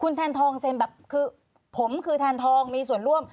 แทนทองเซ็นแบบคือผมคือแทนทองมีส่วนร่วม